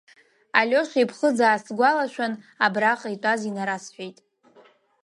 Алиоша иԥхыӡ аасгәалашәан, абраҟа итәаз инарасҳәеит.